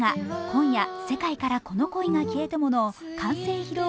「今夜、世界からこの恋が消えても」の完成披露